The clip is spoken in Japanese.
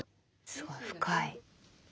すごい深い。